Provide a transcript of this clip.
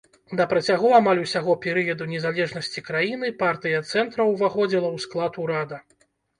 На працягу амаль усяго перыяду незалежнасці краіны партыя цэнтра ўваходзіла ў склад урада.